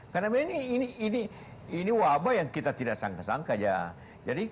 karena ini wabah yang kita tidak sangka sangka